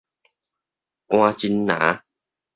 竿蓁林